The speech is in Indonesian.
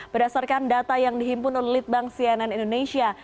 berdasarkan data yang dihimpun oleh litbang cnn indonesia